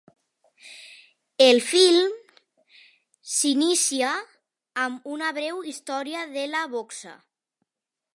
El film s'inicia amb una breu història de la boxa.